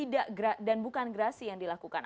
dan bukan gerasi yang dilakukan